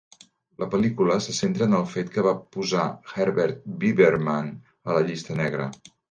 La pel·lícula se centra en el fet que van posar Herbert Biberman a la llista negra.